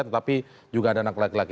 tetapi juga ada anak laki laki